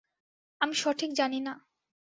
আমি সঠিক জানি না।